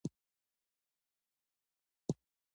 دوی په جنوب او ختیځ کې د ښوونځیو ملاتړ کوي.